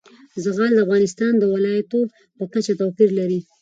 زغال د افغانستان د ولایاتو په کچه توپیر لري.